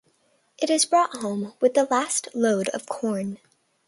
It is brought home with the last load of corn.